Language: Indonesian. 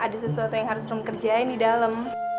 ada sesuatu yang harus rom kerjain di dalam